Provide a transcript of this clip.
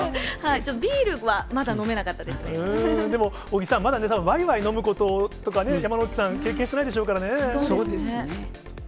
ちょっと、ビールはまだ飲めでも尾木さん、まだわいわい飲むこととかね、山之内さん、経験してないでしょそうですね。